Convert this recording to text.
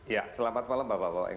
ya selamat malam bapak bapak